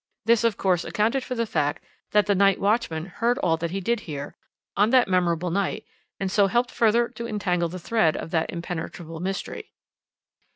This, of course, accounted for the fact that the night watchman heard all that he did hear, on that memorable night, and so helped further to entangle the thread of that impenetrable mystery.